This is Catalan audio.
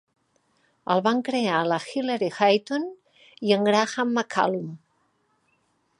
El van crear la Hilary Hayton i en Graham McCallum.